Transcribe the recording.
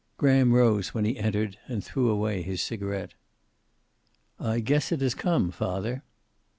Graham rose when he entered, and threw away his cigaret. "I guess it has come, father."